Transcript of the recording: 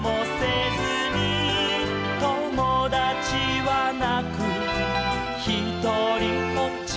「ともだちはなくひとりぽっち」